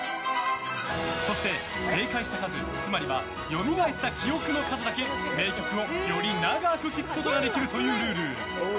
そして正解した数、つまりはよみがえった記憶の数だけ名曲をより長く聴くことができるというルール。